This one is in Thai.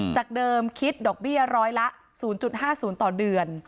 จากเดิมคิดดอกเบี้ยร้อยละ๐๕๐ต่อเดือน